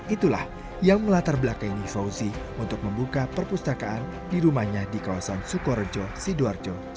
itulah yang melatar belakang ini fauzie untuk membuka perpustakaan di rumahnya di kolosan sochorojo sidoarjo jawa timur